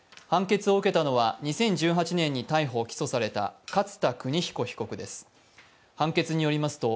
判決を受けたのは２０１８年に逮捕・起訴された勝田州彦被告です。